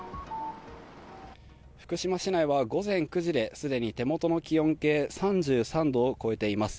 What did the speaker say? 福島市内は午前９時ですでに手元の気温計、３３度を超えています。